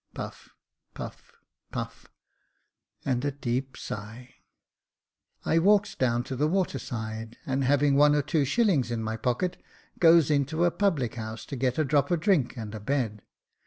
[Puff, puff, puff, and a deep sigh.] I walks down to the water side, and having one or two shillings in my pocket, goes into a public house to get a drop of drink and a bed.